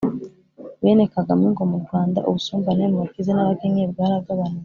Bene Kagame ngo mu Rwanda ubusumbane mubakize nabakennye bwaragabanutse.